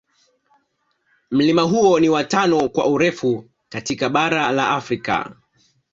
Mlima huo ni wa tano kwa urefu katika bara la Afrika